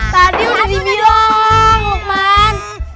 tadi udah dibilang lukman